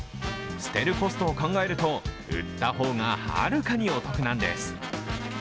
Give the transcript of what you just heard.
捨てるコストを考えると売った方がはるかにお得なんです。